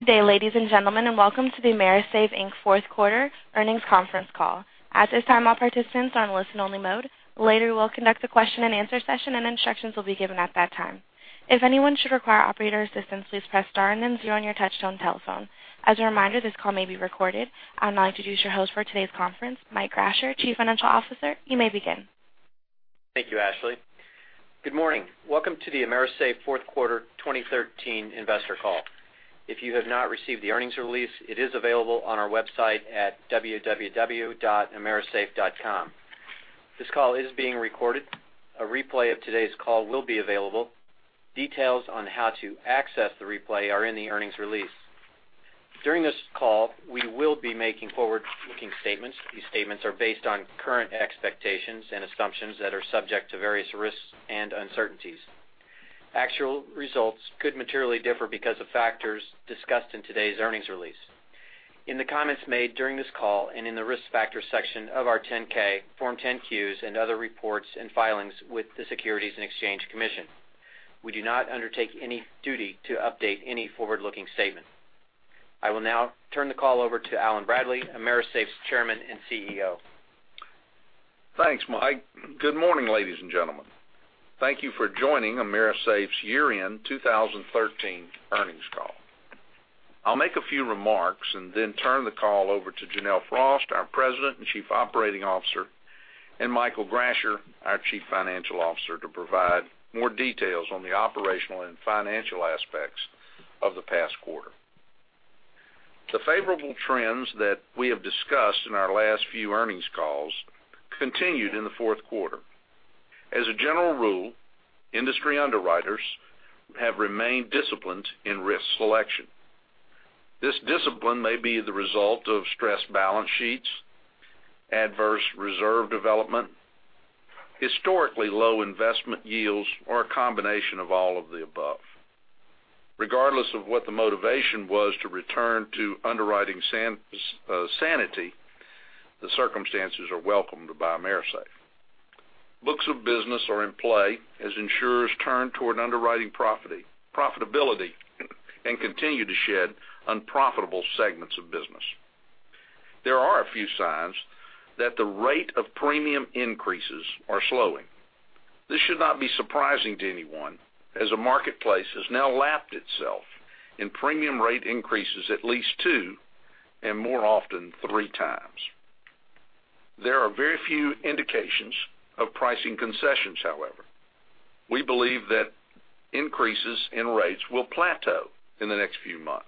Good day, ladies and gentlemen, and welcome to the AMERISAFE, Inc. fourth quarter earnings conference call. At this time, all participants are on listen only mode. Later, we'll conduct a question and answer session, and instructions will be given at that time. If anyone should require operator assistance, please press star and then zero on your touchtone telephone. As a reminder, this call may be recorded. I'd now like to introduce your host for today's conference, Michael Grasher, Chief Financial Officer. You may begin. Thank you, Ashley. Good morning. Welcome to the AMERISAFE fourth quarter 2013 investor call. If you have not received the earnings release, it is available on our website at www.amerisafe.com. This call is being recorded. A replay of today's call will be available. Details on how to access the replay are in the earnings release. During this call, we will be making forward-looking statements. These statements are based on current expectations and assumptions that are subject to various risks and uncertainties. Actual results could materially differ because of factors discussed in today's earnings release. In the comments made during this call and in the risk factor section of our 10-K, Form 10-Qs, and other reports and filings with the Securities and Exchange Commission, we do not undertake any duty to update any forward-looking statement. I will now turn the call over to Allen Bradley, AMERISAFE's Chairman and CEO. Thanks, Mike. Good morning, ladies and gentlemen. Thank you for joining AMERISAFE's year-end 2013 earnings call. I'll make a few remarks and then turn the call over to Janelle Frost, our President and Chief Operating Officer, and Michael Grasher, our Chief Financial Officer, to provide more details on the operational and financial aspects of the past quarter. The favorable trends that we have discussed in our last few earnings calls continued in the fourth quarter. As a general rule, industry underwriters have remained disciplined in risk selection. This discipline may be the result of stressed balance sheets, adverse reserve development, historically low investment yields, or a combination of all of the above. Regardless of what the motivation was to return to underwriting sanity, the circumstances are welcomed by AMERISAFE. Books of business are in play as insurers turn toward underwriting profitability and continue to shed unprofitable segments of business. There are a few signs that the rate of premium increases are slowing. This should not be surprising to anyone, as the marketplace has now lapped itself in premium rate increases at least two and more often three times. There are very few indications of pricing concessions, however. We believe that increases in rates will plateau in the next few months.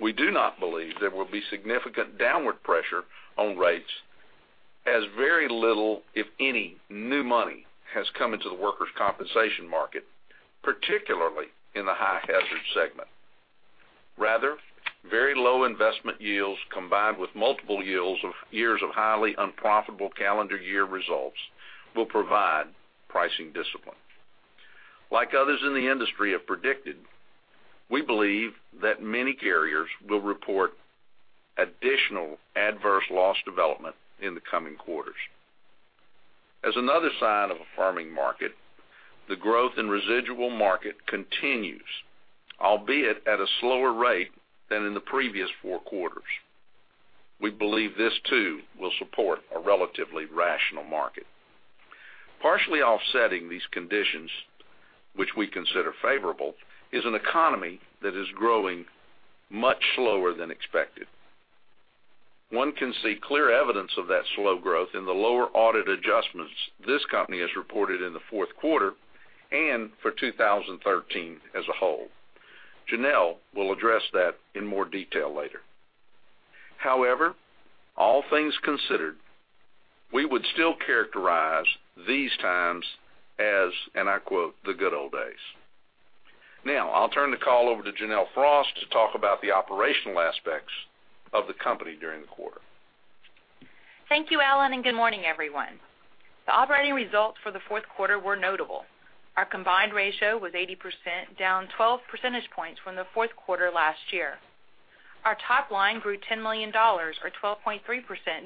We do not believe there will be significant downward pressure on rates as very little, if any, new money has come into the workers' compensation market, particularly in the high-hazard segment. Rather, very low investment yields combined with multiple years of highly unprofitable calendar year results will provide pricing discipline. Like others in the industry have predicted, we believe that many carriers will report additional adverse loss development in the coming quarters. As another sign of a firming market, the growth in residual market continues, albeit at a slower rate than in the previous 4 quarters. We believe this too will support a relatively rational market. Partially offsetting these conditions, which we consider favorable, is an economy that is growing much slower than expected. One can see clear evidence of that slow growth in the lower audit adjustments this company has reported in the fourth quarter and for 2013 as a whole. Janelle will address that in more detail later. However, all things considered, we would still characterize these times as, and I quote, "The good old days." Now, I'll turn the call over to Janelle Frost to talk about the operational aspects of the company during the quarter. Thank you, Allen, and good morning, everyone. The operating results for the fourth quarter were notable. Our combined ratio was 80%, down 12 percentage points from the fourth quarter last year. Our top line grew $10 million or 12.3%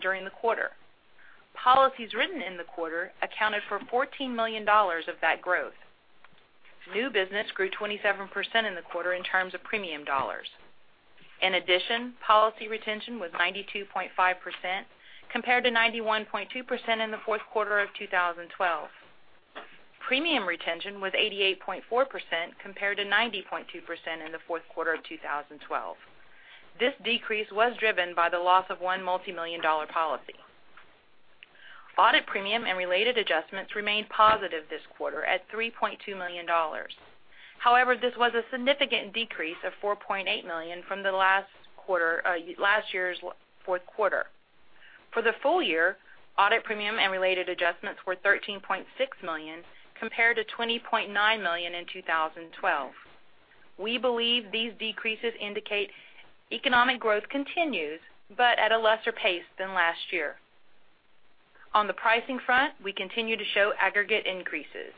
during the quarter. Policies written in the quarter accounted for $14 million of that growth. New business grew 27% in the quarter in terms of premium dollars. In addition, policy retention was 92.5%, compared to 91.2% in the fourth quarter of 2012. Premium retention was 88.4%, compared to 90.2% in the fourth quarter of 2012. This decrease was driven by the loss of one multimillion-dollar policy. Audit premium and related adjustments remained positive this quarter at $3.2 million. However, this was a significant decrease of $4.8 million from last year's fourth quarter. For the full year, audit premium and related adjustments were $13.6 million, compared to $20.9 million in 2012. We believe these decreases indicate economic growth continues, but at a lesser pace than last year. On the pricing front, we continue to show aggregate increases.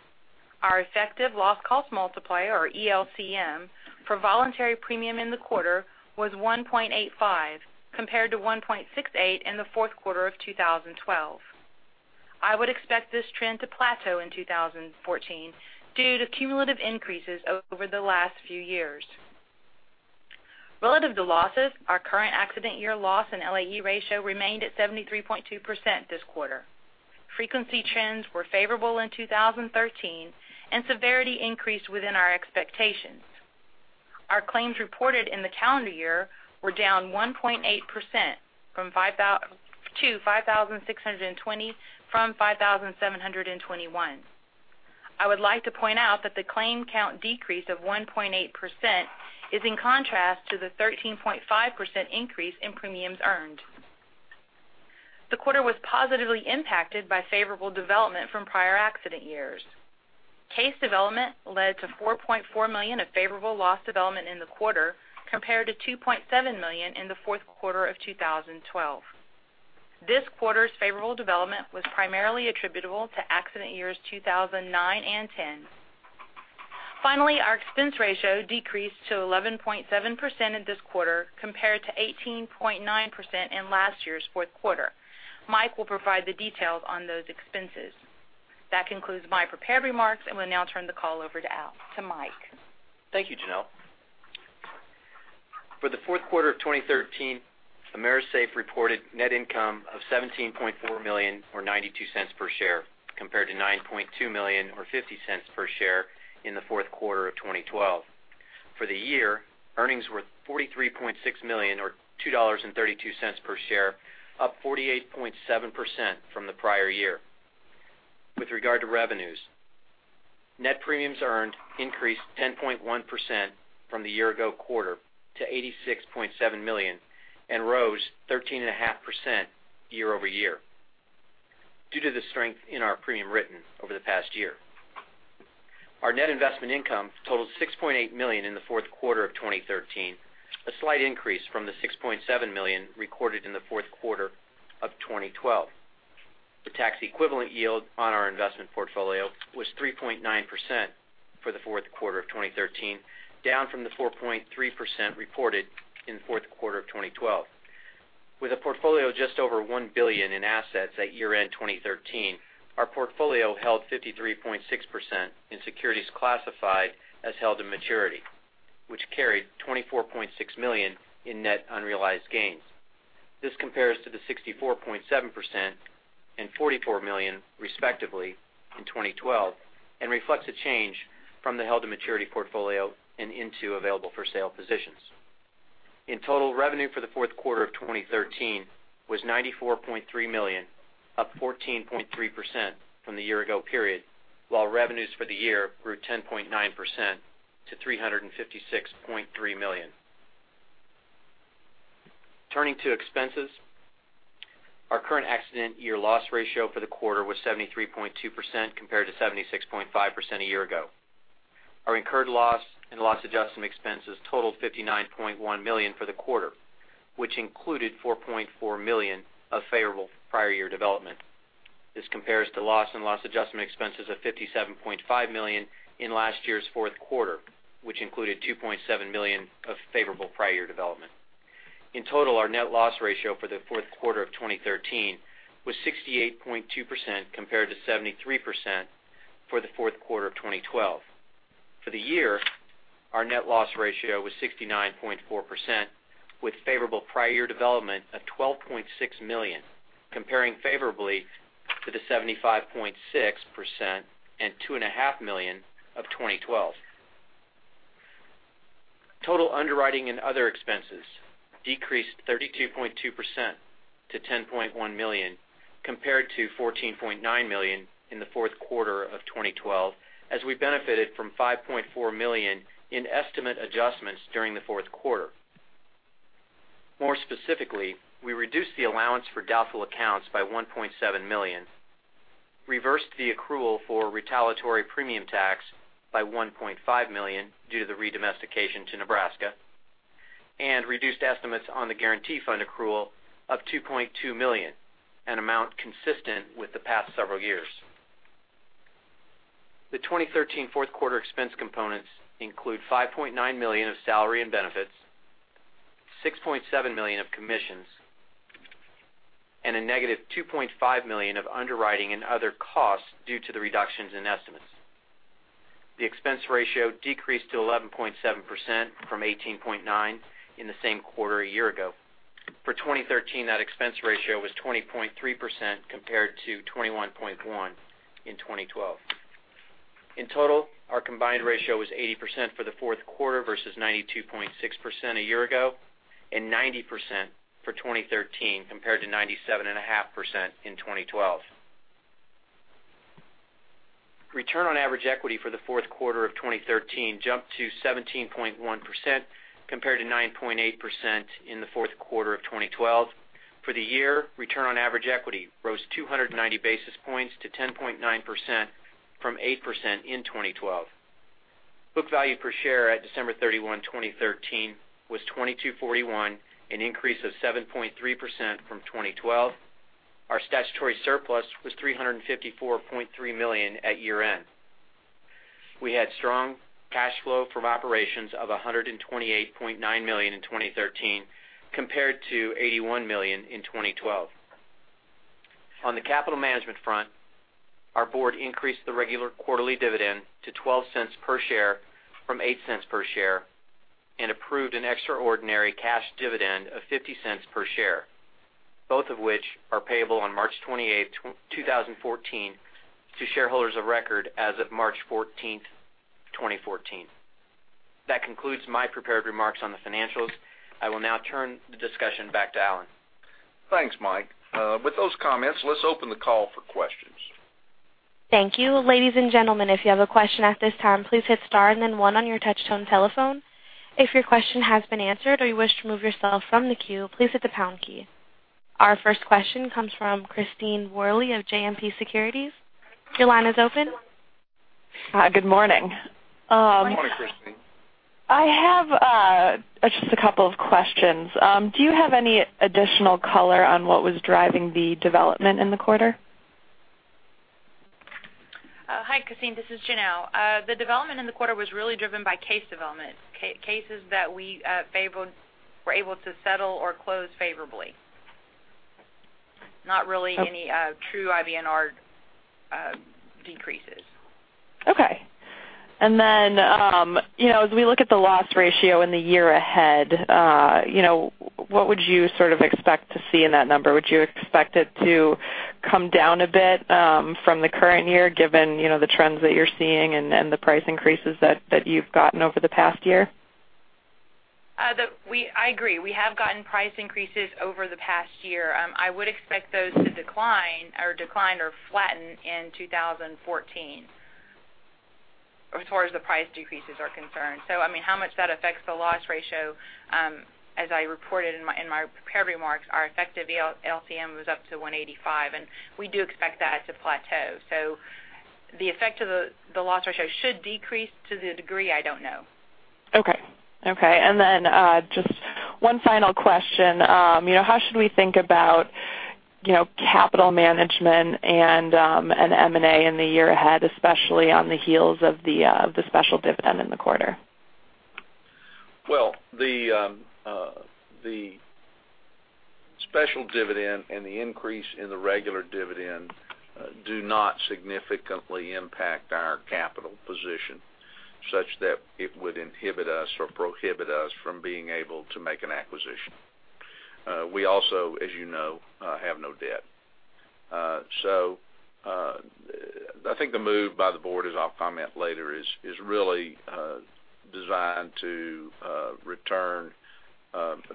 Our effective loss cost multiplier, or ELCM, for voluntary premium in the quarter was 1.85, compared to 1.68 in the fourth quarter of 2012. I would expect this trend to plateau in 2014 due to cumulative increases over the last few years. Relative to losses, our current accident year loss and LAE ratio remained at 73.2% this quarter. Frequency trends were favorable in 2013 and severity increased within our expectations. Our claims reported in the calendar year were down 1.8% to 5,620 from 5,721. I would like to point out that the claim count decrease of 1.8% is in contrast to the 13.5% increase in premiums earned. The quarter was positively impacted by favorable development from prior accident years. Case development led to $4.4 million of favorable loss development in the quarter, compared to $2.7 million in the fourth quarter of 2012. This quarter's favorable development was primarily attributable to accident years 2009 and 2010. Finally, our expense ratio decreased to 11.7% in this quarter, compared to 18.9% in last year's fourth quarter. Michael will provide the details on those expenses. That concludes my prepared remarks, and we'll now turn the call over to Michael. Thank you, Janelle. For the fourth quarter of 2013, AMERISAFE reported net income of $17.4 million, or $0.92 per share, compared to $9.2 million or $0.50 per share in the fourth quarter of 2012. For the year, earnings were $43.6 million, or $2.32 per share, up 48.7% from the prior year. With regard to revenues, net premiums earned increased 10.1% from the year ago quarter to $86.7 million, and rose 13.5% year-over-year due to the strength in our premium written over the past year. Our net investment income totaled $6.8 million in the fourth quarter of 2013, a slight increase from the $6.7 million recorded in the fourth quarter of 2012. The tax equivalent yield on our investment portfolio was 3.9% for the fourth quarter of 2013, down from the 4.3% reported in the fourth quarter of 2012. With a portfolio just over $1 billion in assets at year-end 2013, our portfolio held 53.6% in securities classified as held to maturity, which carried $24.6 million in net unrealized gains. This compares to the 64.7% and $44 million respectively in 2012 and reflects a change from the held to maturity portfolio and into available-for-sale positions. In total, revenue for the fourth quarter of 2013 was $94.3 million, up 14.3% from the year ago period, while revenues for the year grew 10.9% to $356.3 million. Turning to expenses, our current accident year loss ratio for the quarter was 73.2%, compared to 76.5% a year ago. Our incurred loss and loss adjustment expenses totaled $59.1 million for the quarter, which included $4.4 million of favorable prior year development. This compares to loss and loss adjustment expenses of $57.5 million in last year's fourth quarter, which included $2.7 million of favorable prior year development. In total, our net loss ratio for the fourth quarter of 2013 was 68.2%, compared to 73% for the fourth quarter of 2012. For the year, our net loss ratio was 69.4%, with favorable prior year development of $12.6 million, comparing favorably to the 75.6% and two and a half million of 2012. Total underwriting and other expenses decreased 32.2% to $10.1 million, compared to $14.9 million in the fourth quarter of 2012, as we benefited from $5.4 million in estimate adjustments during the fourth quarter. More specifically, we reduced the allowance for doubtful accounts by $1.7 million, reversed the accrual for retaliatory premium tax by $1.5 million due to the re-domestication to Nebraska, reduced estimates on the Guaranty Fund accrual of $2.2 million, an amount consistent with the past several years. The 2013 fourth quarter expense components include $5.9 million of salary and benefits, $6.7 million of commissions, and a negative $2.5 million of underwriting and other costs due to the reductions in estimates. The expense ratio decreased to 11.7% from 18.9% in the same quarter a year ago. For 2013, that expense ratio was 20.3% compared to 21.1% in 2012. In total, our combined ratio was 80% for the fourth quarter versus 92.6% a year ago, and 90% for 2013 compared to 97.5% in 2012. Return on average equity for the fourth quarter of 2013 jumped to 17.1%, compared to 9.8% in the fourth quarter of 2012. For the year, return on average equity rose 290 basis points to 10.9% from 8% in 2012. Book value per share at December 31, 2013 was $22.41, an increase of 7.3% from 2012. Our statutory surplus was $354.3 million at year-end. We had strong cash flow from operations of $128.9 million in 2013, compared to $81 million in 2012. On the capital management front, our board increased the regular quarterly dividend to $0.12 per share from $0.08 per share and approved an extraordinary cash dividend of $0.50 per share, both of which are payable on March 28, 2014, to shareholders of record as of March 14, 2014. That concludes my prepared remarks on the financials. I will now turn the discussion back to Alan. Thanks, Mike. With those comments, let's open the call for questions. Thank you. Ladies and gentlemen, if you have a question at this time, please hit star and then one on your touch-tone telephone. If your question has been answered or you wish to remove yourself from the queue, please hit the pound key. Our first question comes from Christine Worley of JMP Securities. Your line is open. Hi, good morning. Good morning, Christine. I have just a couple of questions. Do you have any additional color on what was driving the development in the quarter? Hi, Christine. This is Janelle. The development in the quarter was really driven by case development, cases that we were able to settle or close favorably. Not really any true IBNR decreases. Okay. Then as we look at the loss ratio in the year ahead, what would you expect to see in that number? Would you expect it to come down a bit from the current year, given the trends that you're seeing and the price increases that you've gotten over the past year? I agree. We have gotten price increases over the past year. I would expect those to decline or flatten in 2014, as far as the price decreases are concerned. How much that affects the loss ratio, as I reported in my prepared remarks, our effective LCM was up to 185, and we do expect that to plateau. The effect of the loss ratio should decrease. To the degree, I don't know. Okay. Just one final question. How should we think about capital management and M&A in the year ahead, especially on the heels of the special dividend in the quarter? Well, the special dividend and the increase in the regular dividend do not significantly impact our capital position such that it would inhibit us or prohibit us from being able to make an acquisition. We also, as you know, have no debt. I think the move by the board, as I'll comment later, is really designed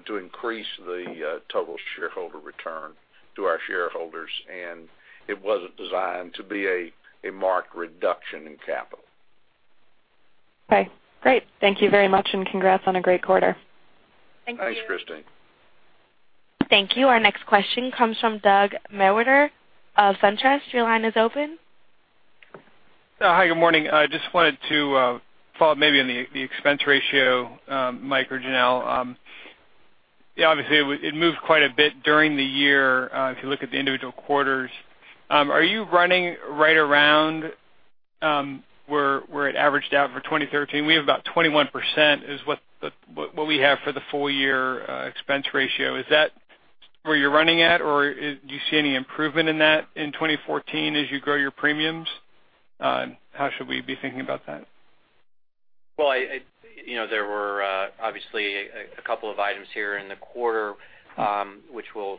to increase the total shareholder return to our shareholders, and it wasn't designed to be a marked reduction in capital. Okay, great. Thank you very much, and congrats on a great quarter. Thank you. Thanks, Christine. Thank you. Our next question comes from Doug Mewhirter of SunTrust. Your line is open. Hi, good morning. I just wanted to follow up maybe on the expense ratio, Mike or Janelle. Obviously, it moved quite a bit during the year if you look at the individual quarters. Are you running right around where it averaged out for 2013? We have about 21%, is what we have for the full year expense ratio. Is that where you're running at, or do you see any improvement in that in 2014 as you grow your premiums? How should we be thinking about that? Well, there were obviously a couple of items here in the quarter which will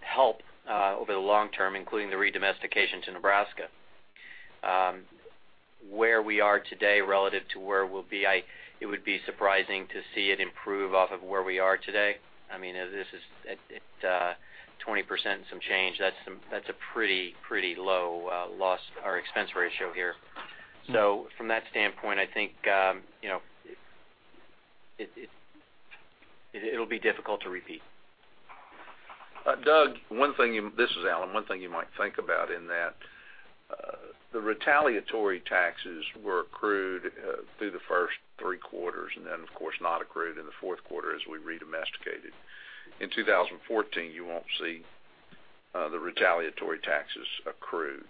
help over the long term, including the re-domestication to Nebraska. Where we are today relative to where we'll be, it would be surprising to see it improve off of where we are today. At 20% and some change, that's a pretty low loss or expense ratio here. From that standpoint, I think it'll be difficult to repeat. Doug, this is Alan. One thing you might think about in that, the retaliatory taxes were accrued through the first three quarters and then, of course, not accrued in the fourth quarter as we re-domesticated. In 2014, you won't see the retaliatory taxes accrued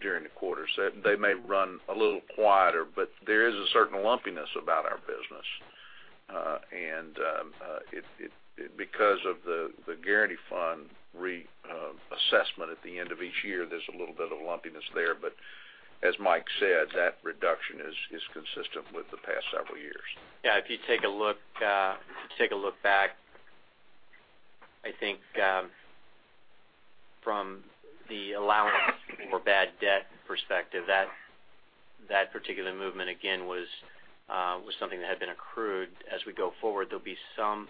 during the quarter. They may run a little quieter, but there is a certain lumpiness about our business. Because of the Guaranty Fund reassessment at the end of each year, there's a little bit of lumpiness there. As Mike said, that reduction is consistent with the past several years. Yeah, if you take a look back, I think from the allowance for bad debt perspective, that particular movement, again, was something that had been accrued. As we go forward, there'll be some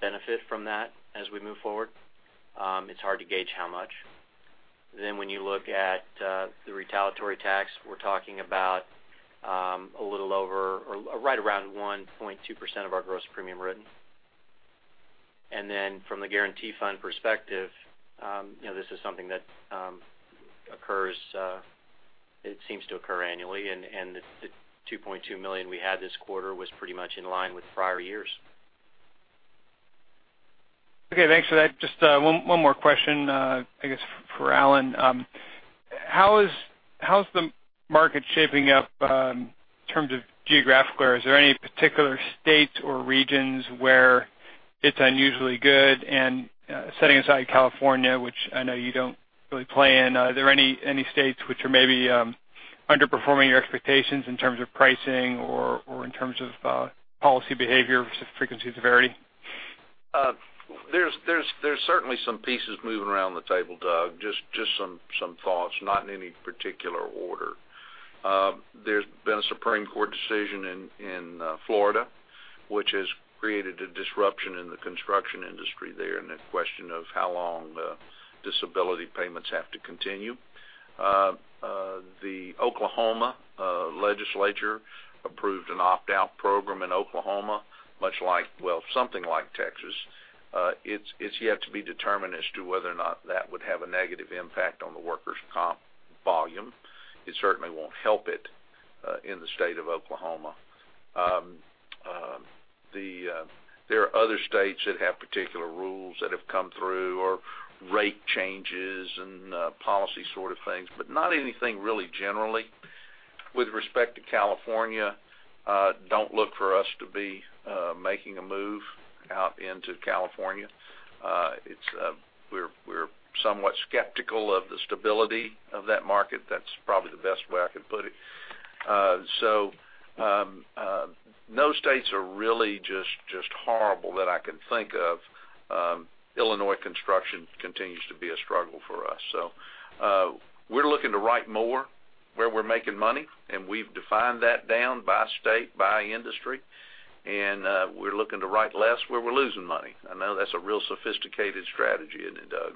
benefit from that as we move forward. It's hard to gauge how much. When you look at the retaliatory tax, we're talking about right around 1.2% of our gross premium written. From the Guaranty Fund perspective, this is something that seems to occur annually, and the $2.2 million we had this quarter was pretty much in line with prior years. Okay, thanks for that. Just one more question, I guess for Alan. How's the market shaping up in terms of geographically? Is there any particular states or regions where it's unusually good? Setting aside California, which I know you don't really play in, are there any states which are maybe underperforming your expectations in terms of pricing or in terms of policy behavior versus frequency severity? There's certainly some pieces moving around the table, Doug. Just some thoughts, not in any particular order. There's been a Supreme Court decision in Florida, which has created a disruption in the construction industry there, and the question of how long the disability payments have to continue. The Oklahoma legislature approved an opt-out program in Oklahoma, something like Texas. It's yet to be determined as to whether or not that would have a negative impact on the workers' comp volume. It certainly won't help it in the state of Oklahoma. There are other states that have particular rules that have come through or rate changes and policy sort of things, but not anything really generally. With respect to California, don't look for us to be making a move out into California. We're somewhat skeptical of the stability of that market. That's probably the best way I could put it. No states are really just horrible that I can think of. Illinois construction continues to be a struggle for us. We're looking to write more where we're making money, and we've defined that down by state, by industry, and we're looking to write less where we're losing money. I know that's a real sophisticated strategy, isn't it, Doug?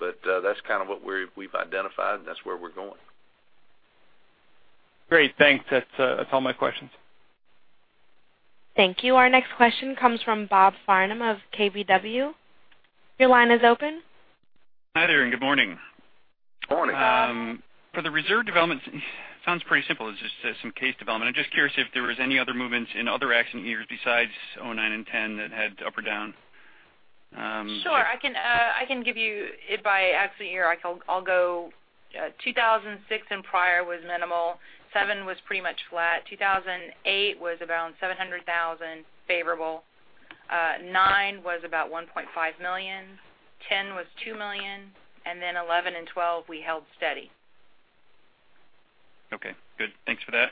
That's kind of what we've identified, and that's where we're going. Great. Thanks. That's all my questions. Thank you. Our next question comes from Bob Farnam of KBW. Your line is open. Hi there, good morning. Good morning, Bob. For the reserve developments, it sounds pretty simple. It's just some case development. I'm just curious if there was any other movements in other accident years besides 2009 and 2010 that had up or down. Sure, I can give you it by accident year. I'll go 2006 and prior was minimal. 2007 was pretty much flat. 2008 was around $700,000 favorable. 2009 was about $1.5 million. 2010 was $2 million. 2011 and 2012, we held steady. Okay, good. Thanks for that.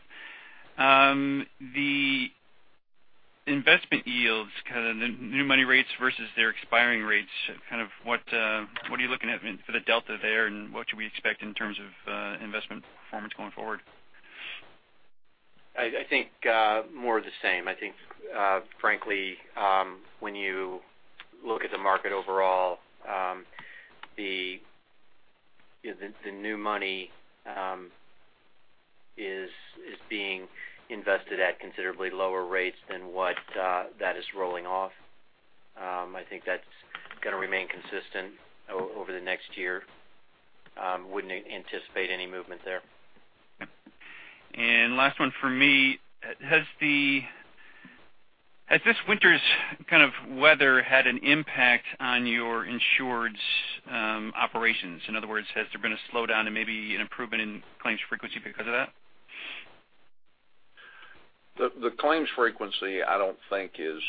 The investment yields, kind of the new money rates versus their expiring rates, kind of what are you looking at for the delta there, and what should we expect in terms of investment performance going forward? I think more of the same. I think, frankly, when you look at the market overall, the new money is being invested at considerably lower rates than what that is rolling off. I think that's going to remain consistent over the next year. Wouldn't anticipate any movement there. Last one from me. Has this winter's kind of weather had an impact on your insured's operations? In other words, has there been a slowdown and maybe an improvement in claims frequency because of that? The claims frequency, I don't think is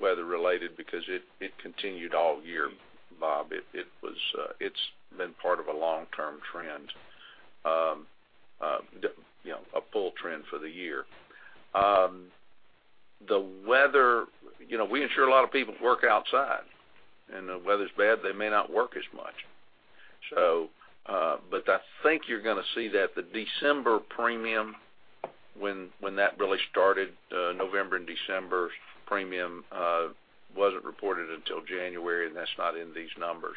weather related because it continued all year, Bob. It's been part of a long-term trend, a full trend for the year. The weather, we insure a lot of people who work outside, and the weather's bad, they may not work as much. I think you're going to see that the December premium, when that really started, November and December premium wasn't reported until January, and that's not in these numbers.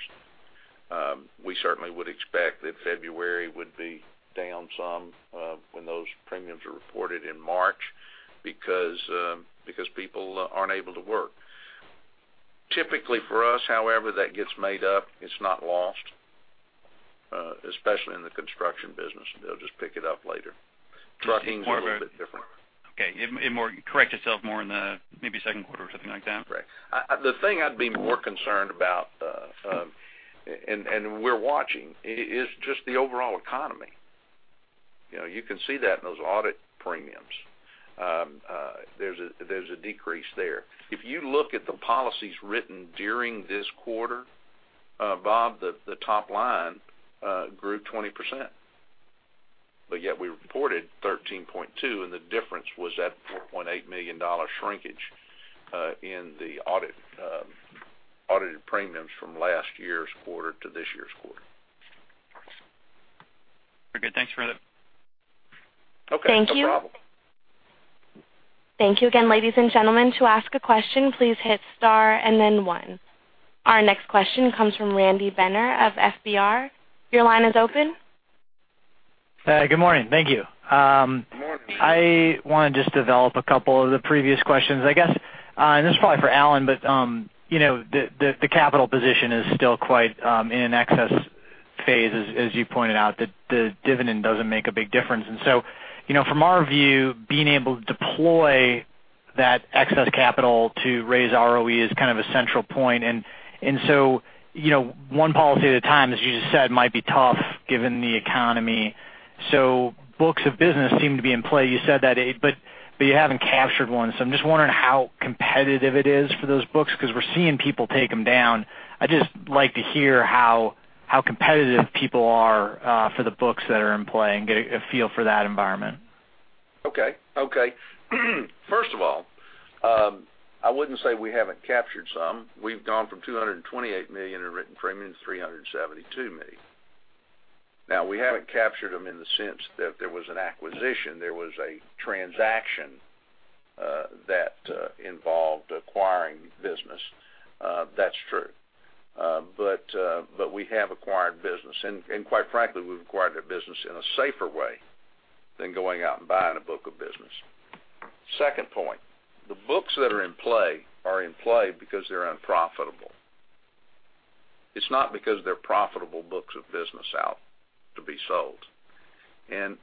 We certainly would expect that February would be down some when those premiums are reported in March because people aren't able to work. Typically, for us, however, that gets made up. It's not lost, especially in the construction business. They'll just pick it up later. Trucking's a little bit different. Okay. It correct itself more in the maybe second quarter or something like that? Correct. The thing I'd be more concerned about, and we're watching, is just the overall economy. You can see that in those audit premiums. There's a decrease there. If you look at the policies written during this quarter, Bob, the top line grew 20%, but yet we reported 13.2%, and the difference was that $4.8 million shrinkage in the audited premiums from last year's quarter to this year's quarter. Very good. Thanks for that. Okay. No problem. Thank you. Thank you again, ladies and gentlemen. To ask a question, please hit star and then one. Our next question comes from Randy Binner of FBR. Your line is open. Good morning. Thank you. Good morning. I want to just develop a couple of the previous questions, I guess. This is probably for Allen, but the capital position is still quite in excess phase, as you pointed out, the dividend doesn't make a big difference. From our view, being able to deploy that excess capital to raise ROE is kind of a central point. One policy at a time, as you just said, might be tough given the economy. So books of business seem to be in play. You said that, but you haven't captured one, so I'm just wondering how competitive it is for those books, because we're seeing people take them down. I'd just like to hear how competitive people are for the books that are in play and get a feel for that environment. Okay. First of all, I wouldn't say we haven't captured some. We've gone from $228 million in written premium to $372 million. We haven't captured them in the sense that there was an acquisition, there was a transaction that involved acquiring business. That's true. We have acquired business, and quite frankly, we've acquired that business in a safer way than going out and buying a book of business. Second point, the books that are in play are in play because they're unprofitable. It's not because they're profitable books of business out to be sold,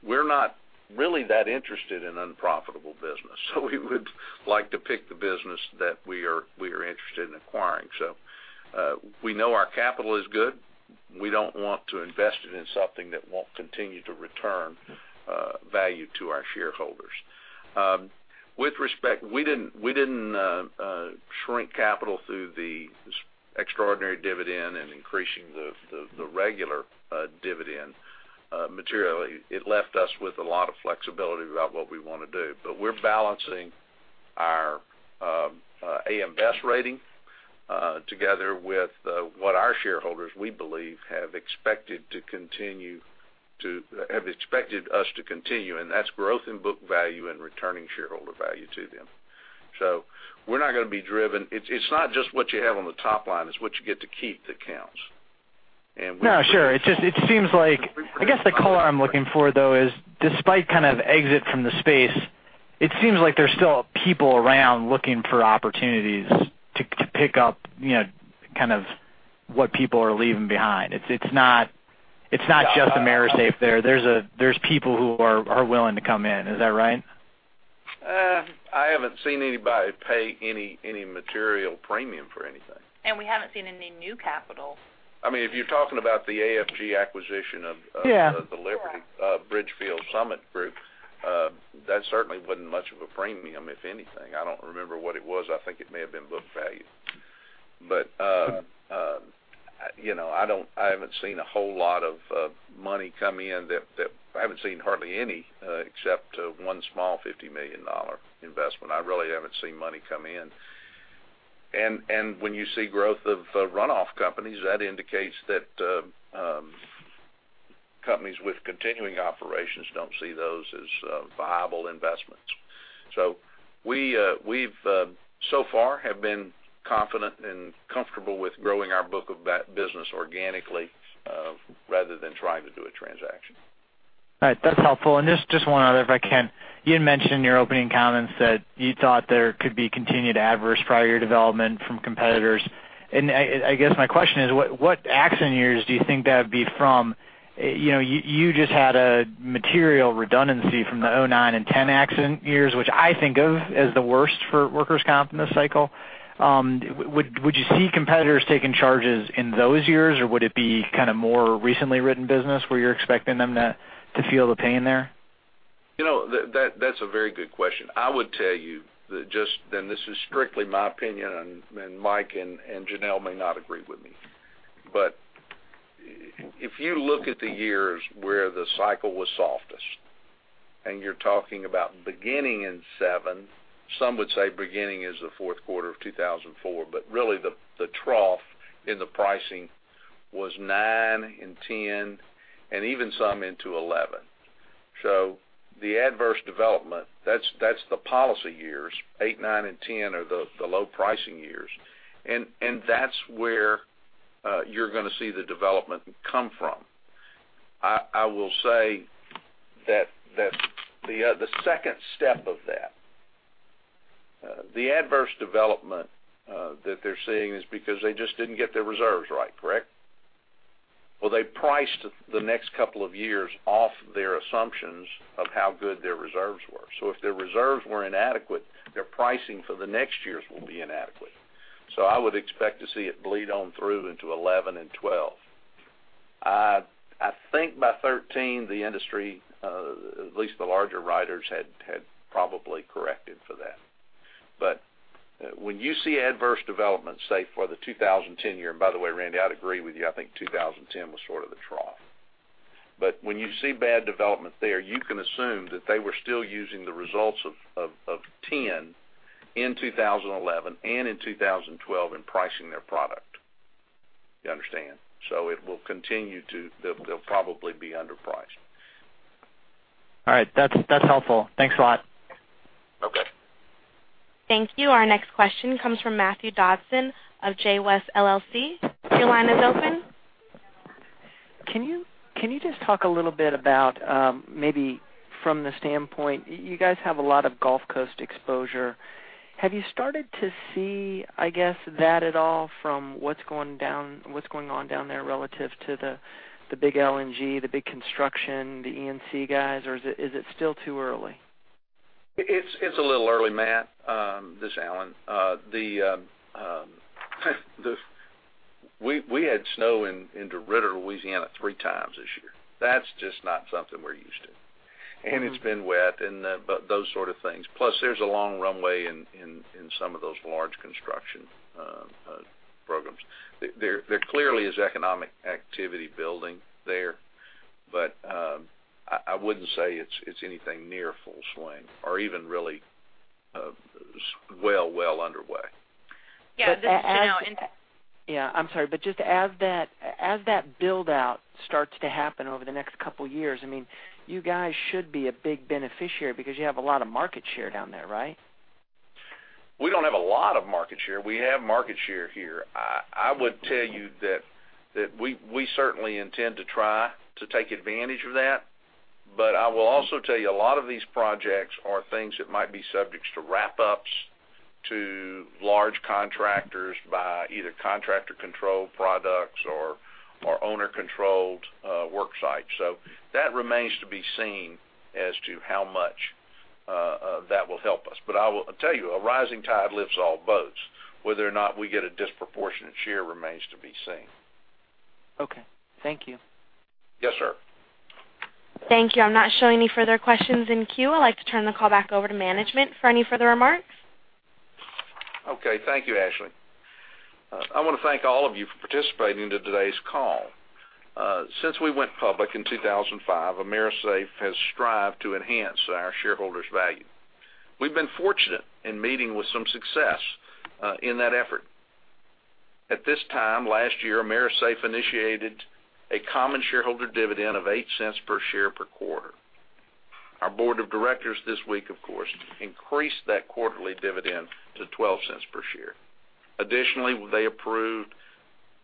we're not really that interested in unprofitable business, we would like to pick the business that we are interested in acquiring. We know our capital is good. We don't want to invest it in something that won't continue to return value to our shareholders. With respect, we didn't shrink capital through the extraordinary dividend and increasing the regular dividend materially. It left us with a lot of flexibility about what we want to do. We're balancing our A.M. Best rating together with what our shareholders, we believe, have expected us to continue, and that's growth in book value and returning shareholder value to them. We're not going to be driven. It's not just what you have on the top line, it's what you get to keep that counts. No, sure. It seems like, I guess the color I'm looking for, though, is despite kind of exit from the space, it seems like there's still people around looking for opportunities to pick up kind of what people are leaving behind. It's not just AMERISAFE there. There's people who are willing to come in. Is that right? I haven't seen anybody pay any material premium for anything. We haven't seen any new capital. If you're talking about the AFG acquisition of. Yeah The Liberty Bridgefield Summit Group, that certainly wasn't much of a premium, if anything. I don't remember what it was. I think it may have been book value. I haven't seen a whole lot of money come in. I haven't seen hardly any, except one small $50 million investment. I really haven't seen money come in. When you see growth of runoff companies, that indicates that companies with continuing operations don't see those as viable investments. We so far have been confident and comfortable with growing our book of that business organically rather than trying to do a transaction. All right. That's helpful. Just one other, if I can. You had mentioned in your opening comments that you thought there could be continued adverse prior year development from competitors. I guess my question is, what accident years do you think that would be from? You just had a material redundancy from the 2009 and 2010 accident years, which I think of as the worst for workers' comp in this cycle. Would you see competitors taking charges in those years, or would it be kind of more recently written business where you're expecting them to feel the pain there? That's a very good question. I would tell you that just, and this is strictly my opinion, and Mike and Janelle Frost may not agree with me, if you look at the years where the cycle was softest, and you're talking about beginning in 2007, some would say beginning as the fourth quarter of 2004, but really the trough in the pricing was 2009 and 2010, and even some into 2011. The adverse development, that's the policy years. 2008, 2009 and 2010 are the low pricing years. That's where you're going to see the development come from. I will say that the second step of that, the adverse development that they're seeing is because they just didn't get their reserves right. Correct? They priced the next couple of years off their assumptions of how good their reserves were. If their reserves were inadequate, their pricing for the next years will be inadequate. I would expect to see it bleed on through into 2011 and 2012. I think by 2013, the industry, at least the larger writers, had probably corrected for that. When you see adverse development, say, for the 2010 year, and by the way, Randy Binner, I'd agree with you, I think 2010 was sort of the trough. When you see bad development there, you can assume that they were still using the results of 2010 in 2011 and in 2012 in pricing their product. You understand? It will continue to, they'll probably be underpriced. All right. That's helpful. Thanks a lot. Okay. Thank you. Our next question comes from Matthew Dodson of J.West LLC. Your line is open. Can you hear me? Can you just talk a little bit about maybe from the standpoint, you guys have a lot of Gulf Coast exposure. Have you started to see, I guess, that at all from what's going on down there relative to the big LNG, the big construction, the E&C guys, or is it still too early? It's a little early, Matt. This is Alan. We had snow into DeRidder, Louisiana, three times this year. That's just not something we're used to. It's been wet and those sort of things. Plus, there's a long runway in some of those large construction programs. There clearly is economic activity building there, but I wouldn't say it's anything near full swing or even really well underway. Yeah. I'm sorry, just as that build-out starts to happen over the next couple of years, you guys should be a big beneficiary because you have a lot of market share down there, right? We don't have a lot of market share. We have market share here. I would tell you that we certainly intend to try to take advantage of that. I will also tell you, a lot of these projects are things that might be subjects to wrap-ups to large contractors by either contractor-controlled products or owner-controlled work sites. That remains to be seen as to how much that will help us. I will tell you, a rising tide lifts all boats. Whether or not we get a disproportionate share remains to be seen. Okay. Thank you. Yes, sir. Thank you. I'm not showing any further questions in queue. I'd like to turn the call back over to management for any further remarks. Okay. Thank you, Ashley. I want to thank all of you for participating in today's call. Since we went public in 2005, AMERISAFE has strived to enhance our shareholders' value. We've been fortunate in meeting with some success in that effort. At this time last year, AMERISAFE initiated a common shareholder dividend of $0.08 per share per quarter. Our board of directors this week, of course, increased that quarterly dividend to $0.12 per share. Additionally, they approved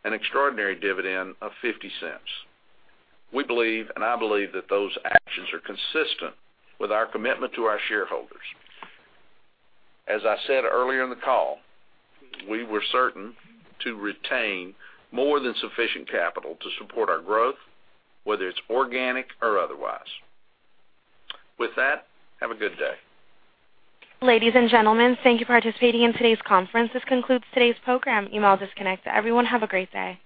an extraordinary dividend of $0.50. We believe, and I believe, that those actions are consistent with our commitment to our shareholders. As I said earlier in the call, we were certain to retain more than sufficient capital to support our growth, whether it's organic or otherwise. With that, have a good day. Ladies and gentlemen, thank you for participating in today's conference. This concludes today's program. You may all disconnect. Everyone, have a great day.